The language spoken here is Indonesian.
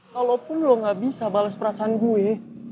kalaupun lo gak bisa bales perasaan gue